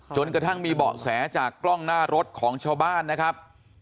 จนกระทั่งมีเบาะแสจากกล้องหน้ารถของชาวบ้านนะครับ